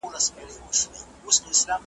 ایا کورني سوداګر چارمغز صادروي؟